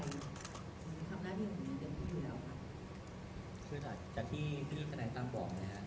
คือคือแต่ที่ที่กระดายตามบอกนะคะ